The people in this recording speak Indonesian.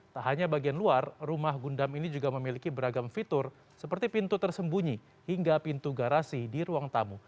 tak hanya bagian luar rumah gundam ini juga memiliki beragam fitur seperti pintu tersembunyi hingga pintu garasi di ruang tamu